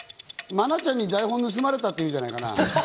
愛菜ちゃんに台本盗まれたんじゃないかな？